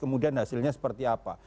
kemudian hasilnya seperti apa